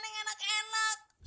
sekarang pengen kakak